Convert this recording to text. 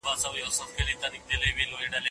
تل په نیکو کارونو کې بوخت اوسئ.